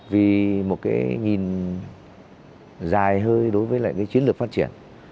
vì một cái nhìn dài hơi đối với chiến lược phát triển